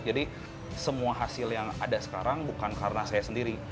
jadi semua hasil yang ada sekarang bukan karena saya sendiri